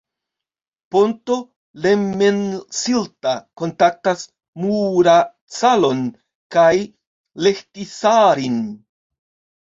Ponto Lemmensilta kontaktas Muuratsalon kaj Lehtisaarin.